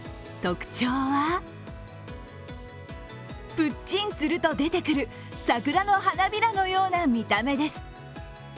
特徴はプッチンすると出てくる桜の花びらのような見た目です。